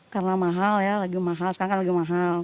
karena mahal ya lagi mahal sekarang kan lagi mahal